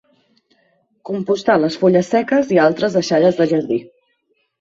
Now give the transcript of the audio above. Compostar les fulles seques i altres deixalles del jardí.